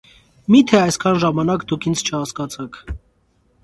- Մի՞թե այսքան ժամանակ դուք ինձ չհասկացաք…